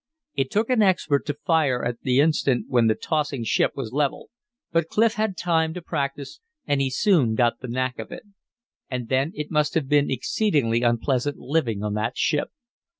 It took an expert to fire at the instant when the tossing ship was level, but Clif had time to practice, and he soon got the knack of it. And then it must have been exceedingly unpleasant living on that ship.